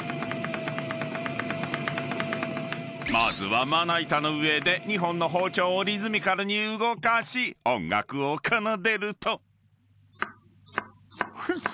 ［まずはまな板の上で２本の包丁をリズミカルに動かし音楽を奏でると］